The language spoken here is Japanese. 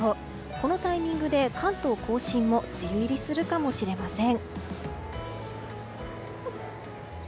このタイミングで関東・甲信も梅雨入りするかもしれません。